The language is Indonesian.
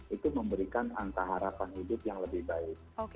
itu memberikan angka harapan hidup yang lebih baik